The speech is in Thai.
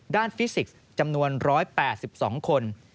ฟิสิกส์จำนวน๑๘๒คน